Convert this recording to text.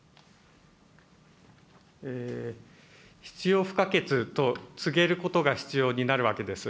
必要不可欠と告げることが必要になるわけです。